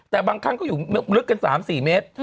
แต่บางครั้งก็อยู่ลึกกัน๓๔เมตร